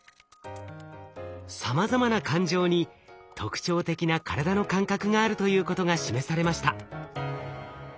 さまざまな感情に特徴的な体の感覚があるということが示されました。